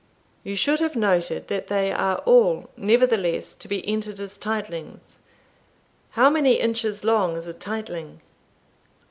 _ You should have noted that they are all, nevertheless to be entered as titlings. How many inches long is a titling?"